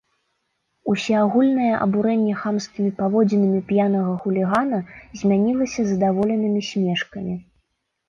Усеагульнае абурэнне хамскімі паводзінамі п'янага хулігана змянілася задаволенымі смешкамі.